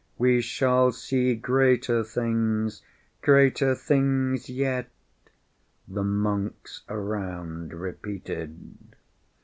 "We shall see greater things, greater things yet!" the monks around repeated.